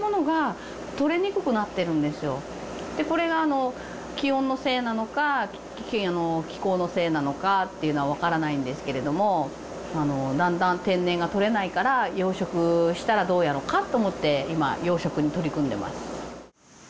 これが気温のせいなのか気候のせいなのかっていうのはわからないんですけれどもだんだん天然がとれないから養殖したらどうやろかと思って今養殖に取り組んでいます。